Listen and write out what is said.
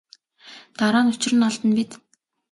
Дараа нь учир нь олдоно биз.